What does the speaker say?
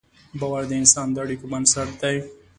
باور د انسان د اړیکو بنسټ دی.